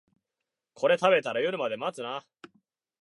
これ食べたら夜まで持つな